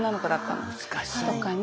難しい。とかね